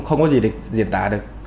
không có gì để diễn tả được